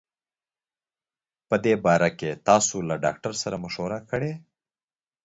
په دي باره کي تاسو له ډاکټر سره مشوره کړي